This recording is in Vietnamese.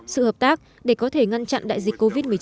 sự hợp tác để có thể ngăn chặn đại dịch covid một mươi chín